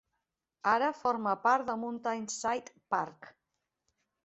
Ara forma part de "Mountain Side Park".